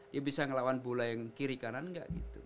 dia bisa ngelawan bola yang kiri kanan gak